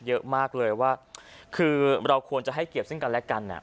เยอะมากเลยว่าคือเราควรจะให้เกียรติซึ่งกันและกัน